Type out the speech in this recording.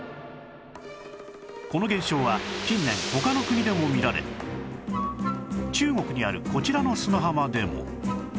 この現象は近年他の国でも見られ中国にあるこちらの砂浜でも